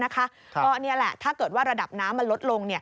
ก็นี่แหละถ้าเกิดว่าระดับน้ำมันลดลง